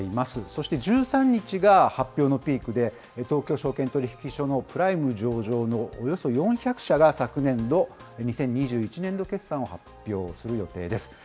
そして１３日が発表のピークで、東京証券取引所のプライム上場のおよそ４００社が昨年度・２０２１年度決算を発表する予定です。